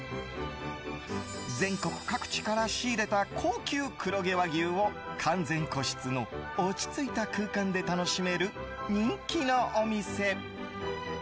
全国各地から仕入れた高級黒毛和牛を完全個室の落ち着いた空間で楽しめる人気のお店。